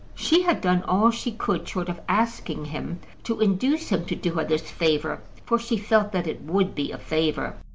She had done all she could, short of asking him, to induce him to do her this favour; for she felt that it would be a favour.